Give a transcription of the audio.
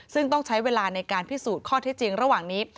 ซึ่งต้องใช้เวลาในการพิสูจน์ข้อเท็จจริงระหว่างนี้